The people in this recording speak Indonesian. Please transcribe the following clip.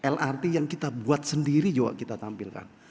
lrt yang kita buat sendiri juga kita tampilkan